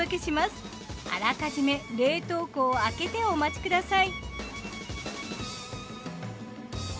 あらかじめ冷凍庫を空けてお待ちください。